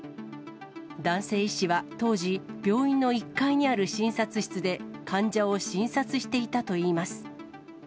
男性医師は当時、病院の１階にある診察室で、患者を診察していたといいます。